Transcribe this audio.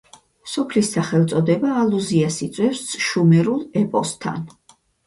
სოფლის სახელწოდება ალუზიას იწვევს შუმერულ ეპოსთან.